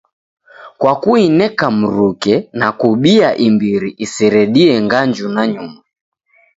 Kwa kuineka mruke na kubia imbiri iseredie nganju nanyuma